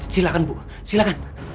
silahkan bu silahkan